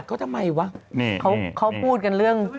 เขาพูดกันเรื่อง